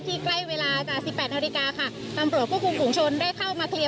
ที่ใกล้เวลาจากสิบแปดนาฬิกาค่ะนำโหลดคู่กรุงกลุ่มชนได้เข้ามาเคลียร์